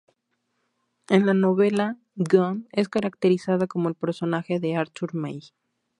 En la novela, Wong es caracterizado como el personaje de "Arthur Ma".